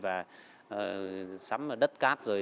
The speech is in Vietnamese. và sắm đất cát rồi